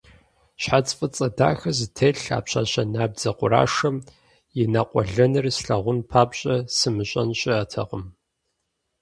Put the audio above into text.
Щхьэц фӀыцӀэ дахэ зытелъ а пщащэ набдзэ къурашэм и нэкъуэлэныр слъагъун папщӀэ сымыщӀэн щыӀэтэкъым.